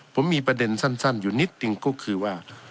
ผมมีประเด็นสั้นอยู่นิดหนึ่งก็คือว่า